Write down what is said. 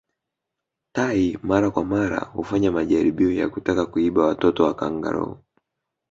Tai mara kwa mara hufanya majaribio ya kutaka kuiba watoto wa kangaroo